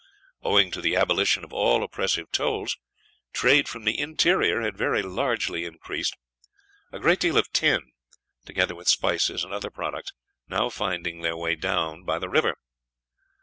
Owing to the abolition of all oppressive tolls, trade from the interior had very largely increased, a great deal of tin, together with spices and other products, now finding its way down by the river.